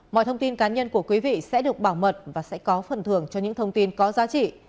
mọi thông tin cá nhân của quý vị sẽ được bảo mật và sẽ có phần thường cho những thông tin có giá trị